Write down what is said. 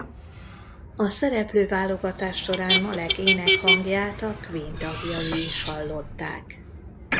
A szereplőválogatás során Malek énekhangját a Queen tagjai is hallották.